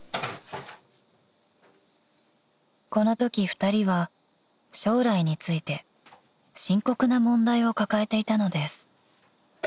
［このとき２人は将来について深刻な問題を抱えていたのです］